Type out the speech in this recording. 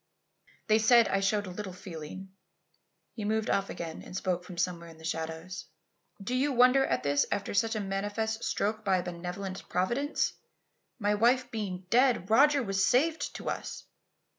"They said I showed little feeling." He had moved off again and spoke from somewhere in the shadows. "Do you wonder at this after such a manifest stroke by a benevolent Providence? My wife being dead, Roger was saved to us!